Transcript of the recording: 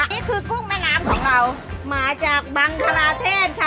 นี่คือกุ้งแม่น้ำของเรามาจากบังคลาเทศค่ะ